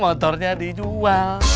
si aceng motornya dijual